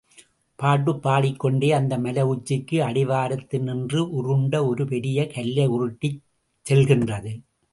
பாட்டுப் பாடிக்கொண்டே அந்த மலை உச்சிக்கு அடிவாரத்தினின்று, உருண்ட ஒரு பெரிய கல்லை உருட்டிச் செல்கின்றது.